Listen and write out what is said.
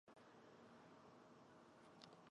终仕礼部右侍郎。